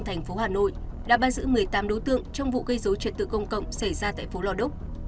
thành phố hà nội đã ban giữ một mươi tám đối tượng trong vụ gây rối trật tự công cộng xảy ra tại phố lò đốc